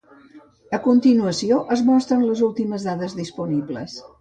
A continuació es mostren les últimes dades disponibles.